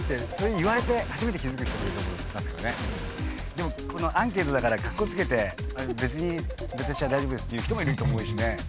でもアンケートだからカッコつけて別に私は大丈夫ですっていう人もいると思うしね。